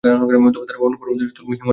তবে তাঁর অণু পরমাণুতেই তো ছিল হিউমার সেন্স।